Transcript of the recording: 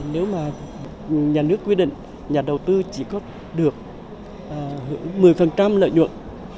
nếu mà nhà nước quy định nhà đầu tư chỉ có được hưởng một mươi lợi nhuận